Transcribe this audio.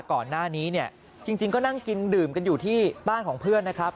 ก่อนหน้านี้เนี่ยจริงก็นั่งกินดื่มกันอยู่ที่บ้านของเพื่อนนะครับ